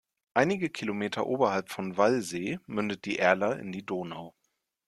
Einige Kilometer oberhalb von Wallsee mündet die Erla in die Donau.